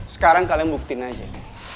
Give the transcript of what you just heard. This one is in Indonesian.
sekarang kalian buktiin aja